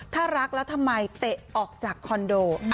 ถ้ารักแล้วทำไมเตะออกจากคอนโด